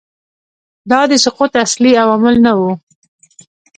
دا د سقوط اصلي عوامل نه وو